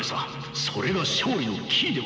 それが勝利のキーではないか。